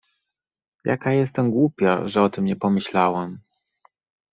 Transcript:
— Jaka ja jestem głupia, że o tym nie pomyślałam!